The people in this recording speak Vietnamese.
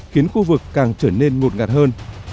khiến khu vực càng trở nên ngột ngạt hơn